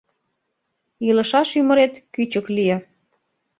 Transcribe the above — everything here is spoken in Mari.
Илышаш ӱмырет кӱчык лие.